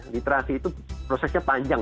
literasi itu prosesnya panjang